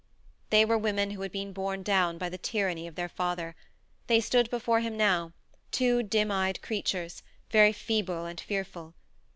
They were women who had been borne down by the tyranny of their father; they stood before him now, two dim eyed creatures, very feeble and fearful.